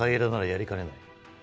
やりかねない